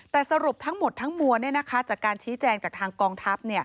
แต่สรุปทั้งหมดทั้งมวลจากการชี้แจงจากทางกองทัพ